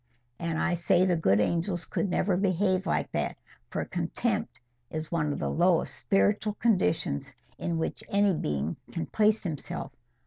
"And I say the good angels could never behave like that, for contempt is one of the lowest spiritual conditions in which any being can place himself.